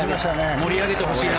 盛り上げてほしいな。